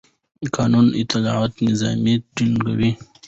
د قانون اطاعت نظم ټینګوي